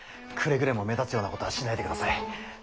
くれぐれも目立つようなことはしないでください。